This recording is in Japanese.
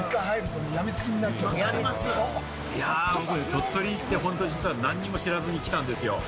鳥取って実は何も知らずに来たんですよ。